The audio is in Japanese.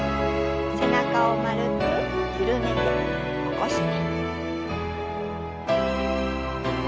背中を丸く緩めて起こして。